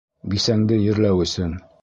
Бисәңде ерләү өсөн.